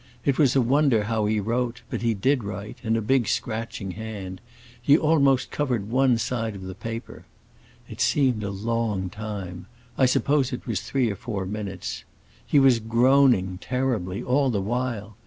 It was a wonder how he wrote, but he did write, in a big scratching hand; he almost covered one side of the paper. It seemed a long time; I suppose it was three or four minutes. He was groaning, terribly, all the while.